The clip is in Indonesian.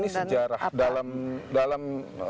ini sejarah dalam